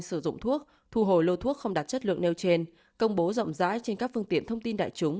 sử dụng thuốc thu hồi lô thuốc không đạt chất lượng nêu trên công bố rộng rãi trên các phương tiện thông tin đại chúng